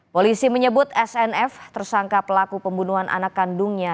polisi menyebut snf tersangka pelaku pembunuhan anak kandungnya